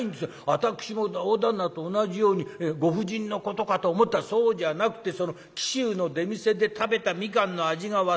私も大旦那と同じようにご婦人のことかと思ったらそうじゃなくてその紀州の出店で食べた蜜柑の味が忘れられない。